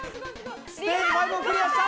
ステージ５もクリアした！